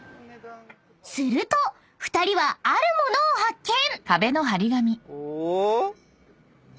［すると２人はある物を発見］